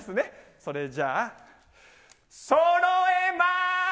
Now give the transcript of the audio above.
それじゃあ、そろえまーす。